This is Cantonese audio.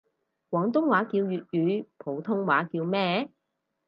廣東話叫粵語，普通話叫咩？